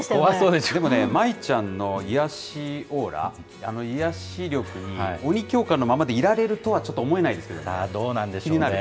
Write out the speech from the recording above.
でもね、舞ちゃんの癒やしオーラ、あの癒やし力に鬼教官のままでいられるとはちょっと思えないんでどうなんでしょう。